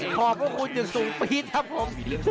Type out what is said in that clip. ขอบพระคุณอย่างสูงปี๊ดครับผม